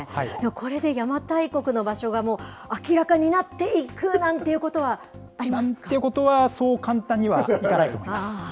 これで邪馬台国の場所が明らかになっていくなんてことはありますか？なんていうことは、そう簡単にはいかないと思います。